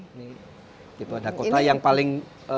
ini tahun berapa ini